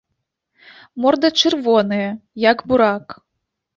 Морда чырвоная, як бурак.